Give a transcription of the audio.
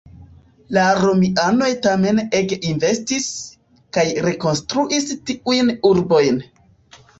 La Romianoj tamen ege investis, kaj rekonstruis tiujn urbojn.